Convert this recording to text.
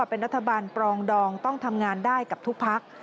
เป็นรัฐบาลปรองดองต้องทำงานได้กับทุกพัก